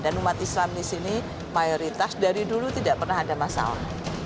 dan umat islam di sini mayoritas dari dulu tidak pernah ada masalah